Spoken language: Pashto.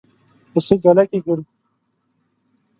پسه ګله کې ګرځي.